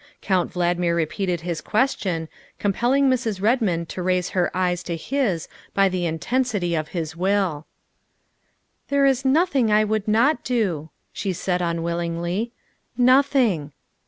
Count Valdmir re peated his question, compelling Mrs. Redmond to raise her eyes to his by the intensity of his will. " There is nothing I would not do," she said unwill ingly, " nothing."